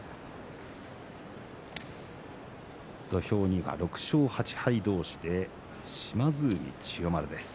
土俵には６勝８敗同士で島津海、千代丸です。